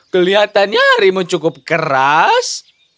kelihatannya harimu cukup keras